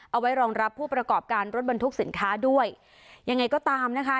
เอาไว้รองรับผู้ประกอบการรถบรรทุกสินค้าด้วยยังไงก็ตามนะคะ